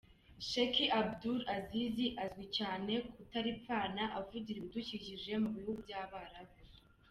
Sheikh Abdul Aziz azwi cyane ku kutaripfana avugira ibidukikije mu bihugu by’Abarabu.